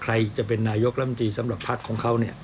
ใครจะเป็นนายกล้ำตีสำหรับภาคของเขา